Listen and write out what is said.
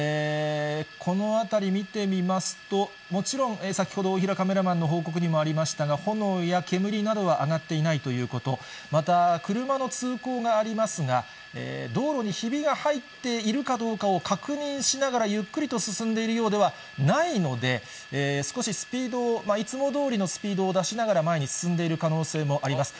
この辺り見てみますと、もちろん、先ほど、大平カメラマンの報告にもありましたが、炎や煙などは上がっていないということ、また、車の通行がありますが、道路にひびが入っているかどうかを確認しながらゆっくりと進んでいるようではないので、少しスピードを、いつもどおりのスピードを出しながら前に進んでいる可能性もあります。